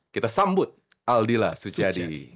kita sambut aldila suchadi